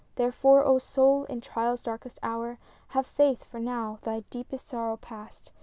Therefore, O Soul, in trial's darkest hour Have faith; — for now, thy deepest sorrow past.